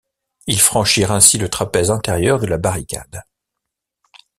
Ils franchirent ainsi le trapèze intérieur de la barricade.